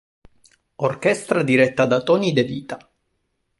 Orchestra diretta da Tony De Vita.